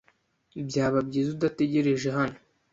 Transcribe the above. Byaba byiza udategereje hano.